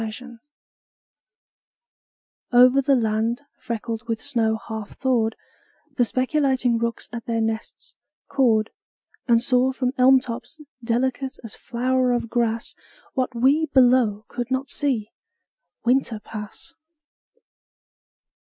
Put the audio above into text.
THAW OVER the land freckled with snow half thawed The speculating rooks at their nests cawed And saw from elm tops, delicate as flower of grass, What we below could not see, Winter pass.